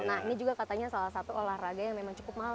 nah ini juga katanya salah satu olahraga yang memang cukup mahal